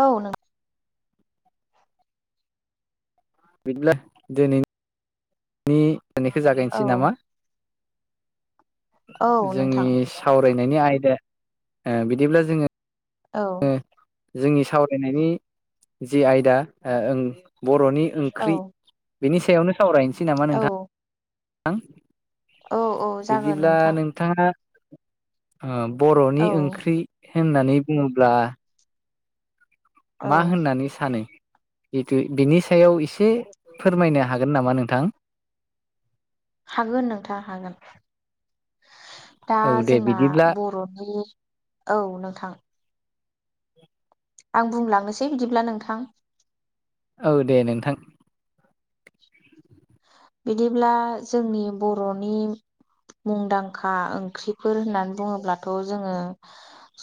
औ नों बिदिब्ला दिनैनि नि [unintelligible] रायज्लायनायखौ औ जागायनोसै नामा औ नोंथां जोंनि सावरायनायनि आयदा ओ बिदिब्ला जोङो औ जोंनि सावरायनायनि जे आयदा ओ ओं बर'नि औ ओंख्रि बेनि सायावनो सावरायनोसै नामा औ नोंथां औ औ जागोन बिदिब्ला नोंथां नोंथाङा ओ बर'नि औ ओंख्रि होननानै बुङोब्ला औ मा होननानै सानो बिदि बिनि सायाव एसे फोरमायनो हागोन नामा नोंथां हागोन नोंथां हागोन दा औ दे जोंना बिदिब्ला बर'नि औ नोंथां आं बुंलांनोसै बिदिब्ला नोंथां औ दे नोंथां बिदिब्ला जोंनि बर'नि मुंदांखा ओंख्रिफोर होननानै बुङोब्लाथ' जोङो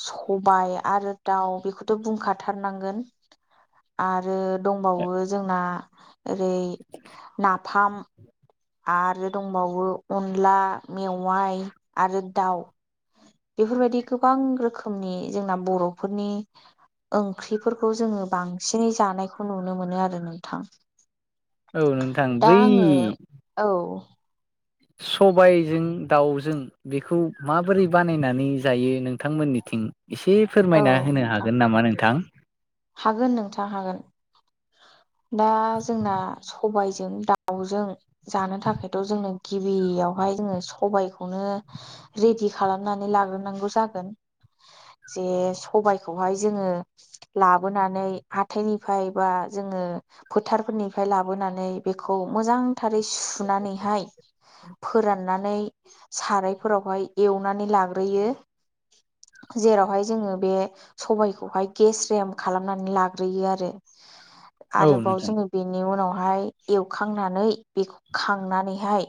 सबाय आरो दाउ बेखौथ' बुंखाथारनांगोन आरो दंबावो जोंना ओरै नाफाम आरो दंबावो अनला मेवाय आरो दाव। बेफोरबायदि गोबां रोखोमनि जोंना बर'फोरनि ओंख्रिफोरखौ जोङो बांसिनै जानायखौ नुनो मोनो आरो नोंथां। औ नोंथां दा बै आङो औ सबायजों दाउजों बेखौ माबोरै बानायनानै जायो नोंथांमोननिथिं? एसे औ फोरमायना होनो नोंथां हागोन नामा नोंथां? हागोन नोंथां हागोन। दा जोंना सबाइजों दाउजों जानो थाखायथ' जोंनो गिबियाव बेहाय जोङो सबाइखौनो रेडि खालामनानै लाग्रोनांगौ जागोन। जे सबायखौहाय जोङो लाबोनानै हाथायनिफ्राय बा जोङो फोथारफोरनि लाबोनानै बेखौ मोजांथारै सुनानैहाय फोराननानै सारायफोरावहाय एवनानै लाग्रोयो। जेरावहाय जोङो बे सबायखौहाय गेस्रेम खालामनानै लाग्रोयो आरो औ आरोबाव नोंथां जोङो बेनि उनाव हाय एवखांनानै बेखौ खांनानैहाय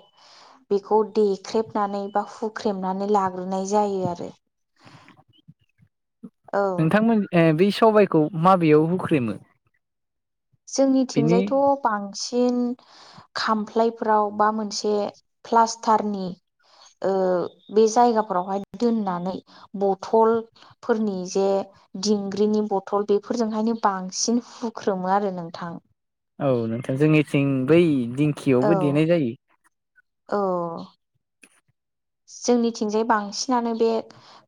बेखौ देख्रेबनानै बा हुख्रेमनानै लाग्रोनाय जायो आरो। औ नोंथांमोन ए बे सबायखौ माबेयाव होख्रेमो जोंनिथिंजायथ' बांसिन सिन खामफ्लायफोराव बा मोनसे प्लास्टारनि ओ बे जायगाफोरावहाय दोननानै बथलफोरनि जे दिंग्रिनि बथल बेफोरजोंहायनो बांसिन हुख्रोमो आरो नोंथां। औ नोंथां जोंनिथिं बै औ दिंखियावबो देनाय जायो। औ जोंनिथिंजाय बांसिनानो बे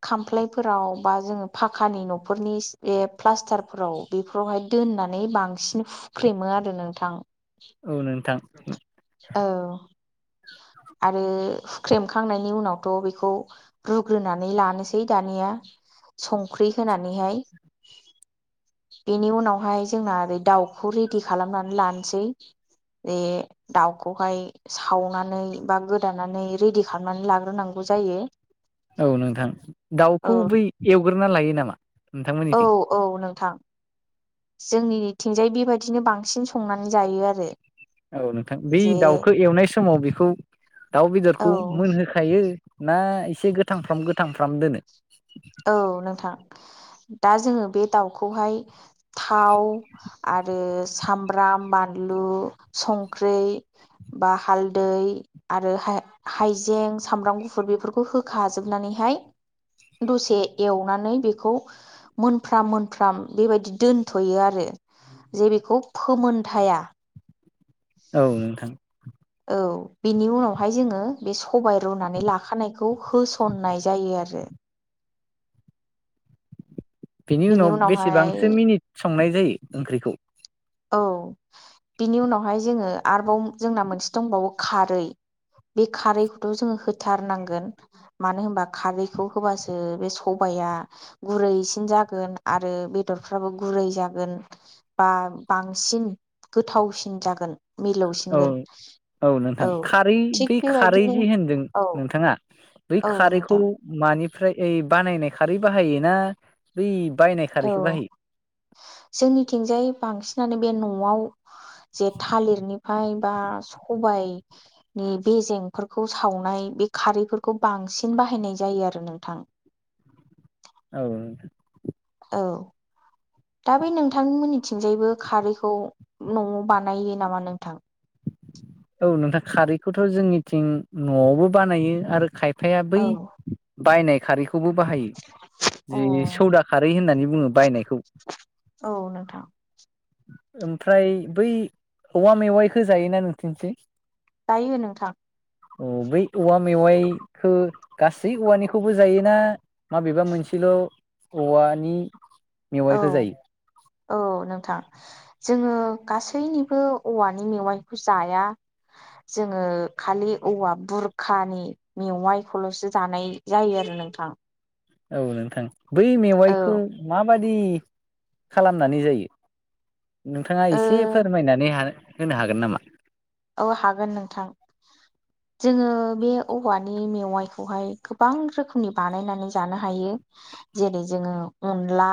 खामफ्लायफोराव बा जोङो फाखानि न'खरनि बे प्लास्टारफोराव बेफोरावहाय दोननानै बांसिन फुख्रेमो आरो नोंथां। औ नोंथां। औ आरो हुख्रेमखांनायनि उनावथ' बेखौ रुग्रोनानै लानोसै दानिया। संख्रि होनानैहाय। बेनि उनावहाय जोंना ओरै दाउखौ रेडि खालामनानै लानोसै। बे दाउखौहाय सावनानै बा गोदानानै रेडि खालामनानै लाग्रोनांगौ जायो। औ नोंथां औ दाउखौ बै एवग्रोना लायो नामा औ नोंथांमोननिथिं? औ नोंथां जोंनिथिंजाय बेबायदिनो बांसिन संनानै जायो आरो। औ नोंथां बे जे दाउखौ एवनाय समाव बेखौ दाउ औ बेदरखौ मोनहोखायो। ना एसे गोथांफ्राम गोथांफ्राम दोनो? औ नोंथां दा जोङो बे दाउखौहाय थाव आरो सामब्राम बानलु संख्रि बा हालदै आरो हाइ हाइजें सामब्राम गुफुर बेफोरखौ होखाजोबनानैहाय दसे एवनानै बेखौ मोनफ्राम मोनफ्राम बेबायदि दोनथ'यो आरो। जे बेखौ फोमोनथाया औ नोंथां। औ बेनि उनावहाय जोङो बे सबाय रुनानै लाखानायखौ होसननाय जायो आरो। बेनि बिनि उनाव उनावहाय बेसेबांसो मिनिट संनाय जायो ओंख्रिखौ। औ बिनि उनावहाय जोङो आरोबाव जोंना मोनसे दंबावो खारै। बे खारैखौथ' जोंङो होथारनांगोन मानो होनबा खारैखौ होबासो बे सबाइया या गुरैसिन जागोन आरो बेदरफ्राबो गुरै जागोन बा। बांसिन गोथावसिन जागोन औ मिलौसिनगोन। औ नोंथां खारै थिग बे खारै बेबायदिनो जि होनदों औ नोंथाङा बै औ खारैखौ नोंथां मानिफ्राय ओइ बानायनाय खारै बाहायो ना बै बायनाय औ खारैखौ बाहायो? जोंनिथिंजाय बांसिनानो बे न'आव जे थालिरनिफ्राय बा सबायाइनि बेेजेंफोरखौ सावनाय बे खारैफोरखौ बांसिन बाहायनाय जायो आरो नोंथां औ औ दा बे नोंथांमोननिथिंजायबो खारैखौ न'आव बानायो नामा नोंथां [inaudible] औ नोंथां खारैखौथ' जोंनिथिं न'आवबो बानायायो आरो खाय फाया बै औ बायनाय खारैखौ बो बाहायो अ जि सौदा खारै होननानै बुङो बायनायखौ औ नोंथां ओमफ्राय बै औवा मेवाइखौ जायोना नोंसिनिखै जायो नोंथां औ बै औवा मेवाइखौ गासै औवानिखौबो जायोना माबेबा मोनसे औवानि औ मेवाइखौ जायो। औ नोंथां जोङो गासैनिबो औवानि मेवाइखौ जाया। जोङो खालि औवा बुरखानि मेवाइखौल'सो जानाय जायो आरो नोंथां। औ नोंथां बै औ मेवाइखौ माबादि खालामनानै जायो? नोंथाङा ओ एसे फोरमायनानै होनो हागोन नामा? औ हागोन नोंथां। जोङो बे औवानि मेवाइखौहाय गोबां रोखोमनि बानायनानै जानो हायो जेरै जोङो अनला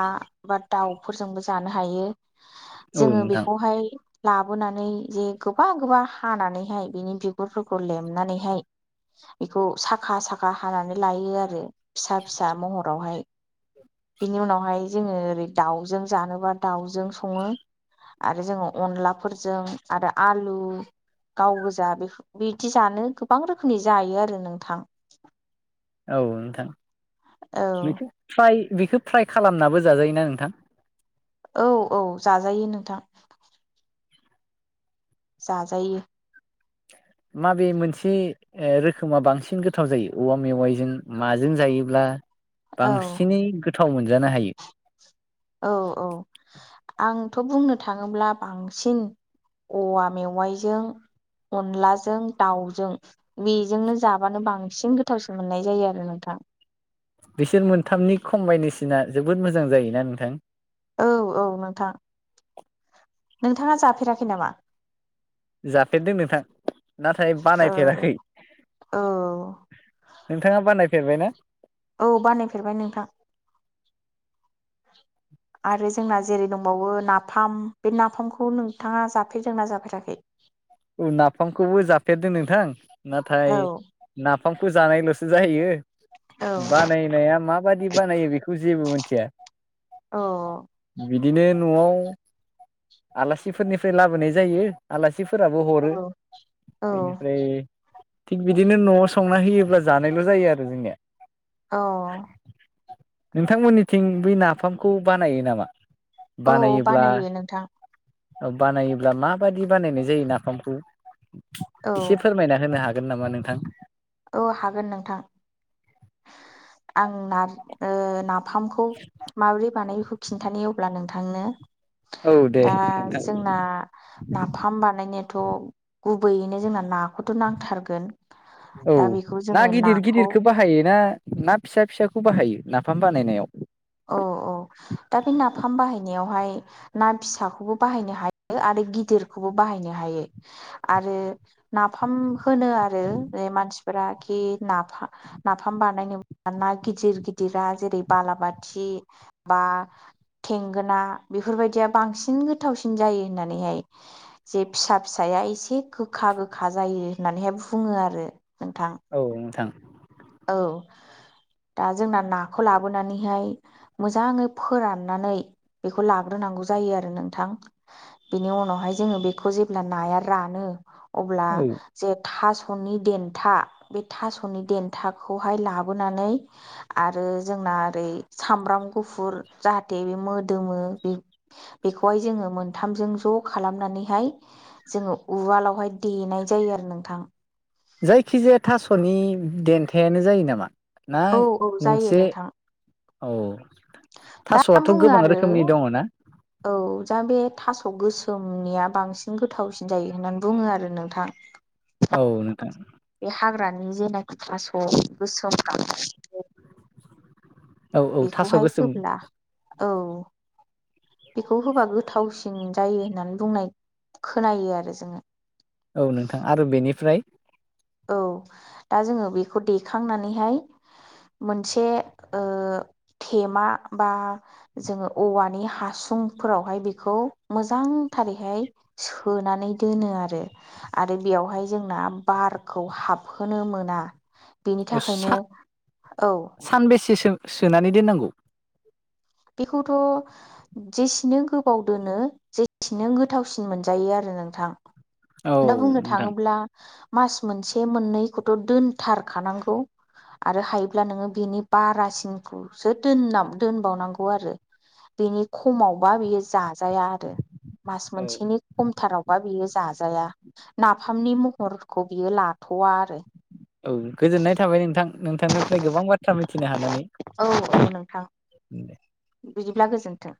बा दाउफोरजोंबो जानो हायो औ जोङो नोंथां बेखौहाय लाबोनानै जे गोबा गोबा हानानैहाय बिनि बिगुरफोरखौ लेमनानैहाय बेखौ साखा साखा हानानै लायो आरो फिसा फिसा महरावहाय बेनि उनावहाय जोङो ओरै दाउजों जानोबा दाउजों सङो। आरो जोङो अनलाफोरजों आरो आलु गाव गोजा बिदि जानो गोबां रोखोमनि जायो आरो नोंथां। औ नोंथां औ बेखौ फ्राय बेखो फ्राय खालामनाबो जाजायोना नोंथां? औ औ जाजायो नोंथां। जाजायो। माबे मोनसे ओ रोखोमा बांसिन गोथाव जायो औवा मेवाइजों माजों जायोब्ला औ बांसिनै गोथाव मोनजानो हायो? औ औ आंथ' बुंनो थाङोब्ला बांसिन औवा मेवाइजों अनलाजों दाउजों बेजोंनो जाबानो बांसिन गोथावसिन मोननाय जायो आरो नोंथां बिसोर मोनथामनि कम्बाइनेसेना जोबोद मोजां जायोना नोंथां औ औ नोंथां नोंथाङा जाफेराखै नामा जाफेरदों नोंथां नाथाय औ बानायफेराखै औ नोंथाङा बानायफेरबाय ना औ बानायफेरबाय नोंथां आरो जोंना जेरै दंबावो नाफाम बे नाफामखौ नोंथाङा जाफेरदोंना जाफेराखै औ नाफामखौबो जाफेरदों नोंथां औ नाथाय ना नाफामखौ जानायल'सो जायो औ बानायनाया मा माबादि बानायो बेखौ जेबो मोनथिया अ बिदिनो न'आव आलासिफोरनिफ्राय लाबोनाय जायो आलासि फोराबो हरो औ औ बेनिफ्राय थिग बिदिनो न'आव संना होयोब्ला जानायल' जायो आरो जोंनिया अ नोंथांमोननिथिं बै नाफामखौ बानायो नामा? औ बानायो नोंथां औ बानायोब्ला माबादि बानायनाय जायो नाफामखौ औ एसे फोरमायना होनो हागोन हागोन नामा नोंथां? औ हागोन नोंथां। आं ना ओ नाफामखौ माबोरै बानायो बेखौ खिन्थानो अब्ला नोंथांनो। औ दे दा नोंथां जोंना नाफाम बानायनो थ' गुबैयैनो जोंना नाखौथ' नांथारगोन। औ दा बेखौ ना जोङो गिदिर नाखौ गिदिरखौ बाहायो ना ना फिसा फिसाखौ बाहायो नाफाम बानायनायाव? अ अ दा बे नाफाम बाहायनायावहाय ना फिसाखौबो बाहायनो हायो आरो गिदिरखौबो बाहाय नो‌ हायो। आरो नाफाम होनो आरो बे मानसिफ्रा खि नाफा नाफाम बानायनो मोना गिदिर गिदिरा जेरै बालाबाथि खि बा थेंगोना बेफोरबायदिया बांसिन गोथावसिन जायो होननानैहाय जे फिसा फिसाया एसे गोखा गोखा जायो होननानैहाय बुंङो आरो। नोंथां औ नोंथां औ दा जोंना नाखौ लाबोनानैहाय मोजाङै फोराननानै बेखौ लाग्रोनां नांगौ आरो नोंथां बिनि उनावहाय जोंङो बेखौ जेब्ला नाया रानो। अब्ला औ जे थास'नि देन्था बे थास'नि देन्था थाखौहाय लाबोनानै आरो जोंना ओरै सामब्राम गुफुर जा नै बे मोदोमो बे बेखौहाय जोंङो मोनथामजों ज' खालामनानैहाय जोंङो उवाल आवहाय देनाय जायो आरो नोंथां। जायखिजाया थास'नि देन्थायानो जायो नामा? औ नाय औ मोनसे औ दा थास'आथ' बुङो गोबां आरो रोखोमनि दङ ना? औ जा बे थास' गोसोम मनिया बांसिन गोथावसिन जायो होननानै बुङो आरो नोंथां। औ नोंथां। बे हाग्रानि जेनाखि थास' गोसोम गां औ औ थास' बेखौहाय गोसोम होब्ला औ बेखौ होबा गोथावसिन जायो होननानै बुंनाय खोनायो आरो जोंङो। औ नोंथां आरो बेनिफ्राय औ दा जोंङो बेखौ देखांनानैहाय मोनसे ओ थेमा बा जोंङो औवानि हासुं फुंफोरावहाय बेखौ मोजांथारैहाय सोनानै दोनो आरो आरो बेयावहाय जोंना बारखौ हाबहोनो मोना। बेनि ओ थाखायनो सा औ सानबेसे सोनानै दोननांगौ? बेखौथ' जेसेनो गोबाव दोनो जेसेनो गोथावसिन मोनजायो आरो। नोंथां औ दा बुंनो नोंथां थाङोब्ला मास मोनसे मोननैखौथ' दोनथारखानांगौ। आरो हायोब्ला नोङो बेनि बारासिनखौसो दोन दोनबावनांगौ। खौ आरो बिनि खमावबा बियो जा जाया आरो मास औ मोनसेनि खमथारावबा बियो जाजाया जाया नाफामनि महरखौ बियो लाथ'वा आरो। औ गोजोननाय थाबाय नोंथां नोंथांनिफ्राय गोबां बाथ्रा मिथिनो हानानै औ नोंथां बि बिदिब्ला गोजोन्थों।